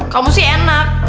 kamu sih enak